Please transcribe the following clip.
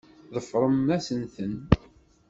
Teffrem-asent-ten.